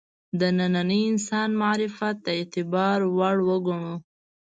د ننني انسان معرفت د اعتبار وړ وګڼو.